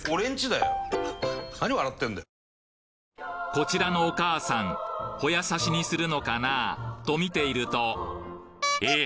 こちらのお母さんホヤ刺しにするのかなと見ているとえっ？